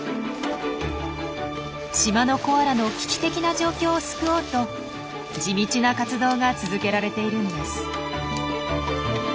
島のコアラの危機的な状況を救おうと地道な活動が続けられているんです。